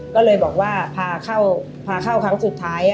ก็เลยพาเข้าครั้งสุดท้าย